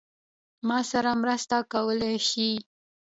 ما سره مرسته کولای شې؟